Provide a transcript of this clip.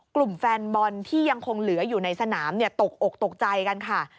กลุ่มแฟนบอลที่ยังคงเหลืออยู่ในสนามตกอกตกใจกันค่ะ